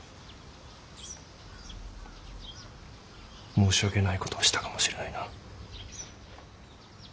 申し訳ない事をしたかもしれないな。